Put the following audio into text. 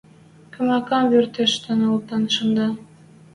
Камакам выртышты олтен шӹнда.